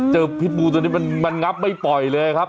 พิษบูตัวนี้มันงับไม่ปล่อยเลยครับ